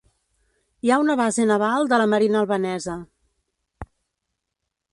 Hi ha una base naval de la marina albanesa.